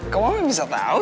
kau mama bisa tahu ya